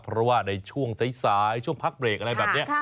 เพราะว่าในช่วงสายช่วงพักเบรกอะไรแบบนี้